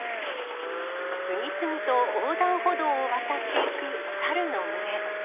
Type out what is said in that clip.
次々と横断歩道を渡っていくサルの群れ。